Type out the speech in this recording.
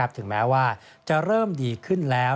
ถึงแม้ว่าจะเริ่มดีขึ้นแล้ว